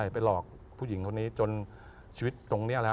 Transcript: ไปหลอกผู้หญิงเท่านี้จนชีวิตตรงนี้มันหัดเห